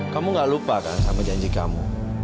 kamu gak lupa kan sama janji kamu